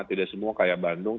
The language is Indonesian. tidak semua kayak bandung